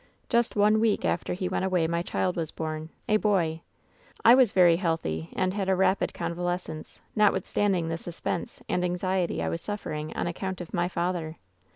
"Just one week after he went away my child was bom —a boy. I was very healthy, and had a rapid con valescence, notwithstanding the suspense and anxiety I was suffering on account of my father.